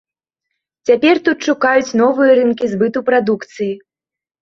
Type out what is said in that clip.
Цяпер тут шукаюць новыя рынкі збыту прадукцыі.